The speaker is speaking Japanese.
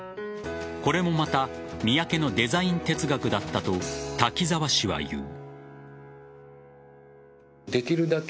これもまた三宅のデザイン哲学だったと滝沢氏は言う。